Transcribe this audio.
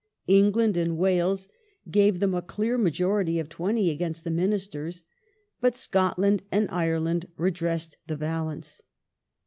England and Wales gave them a clear majority of 20 against the Ministers, but Scot land and Ireland redressed the balance.